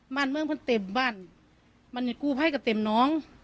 บ้านเมืองมันเต็มบ้านมันกู้ภัยก็เต็มน้อง